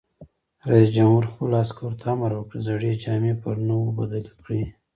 رئیس جمهور خپلو عسکرو ته امر وکړ؛ زړې جامې پر نوو بدلې کړئ!